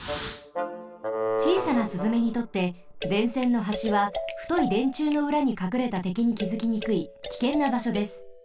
ちいさなスズメにとって電線のはしはふといでんちゅうのうらにかくれたてきにきづきにくいきけんなばしょです。